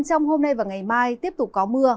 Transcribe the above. trong hôm nay và ngày mai tiếp tục có mưa